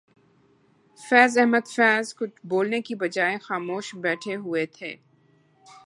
فیض احمد فیض کچھ بولنے کی بجائے خاموش بیٹھے ہوئے تھے